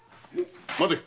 待て！